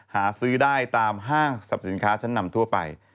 หาซื้อได้ตามห้างสรรพสินค้าชั้นนำทั่วไป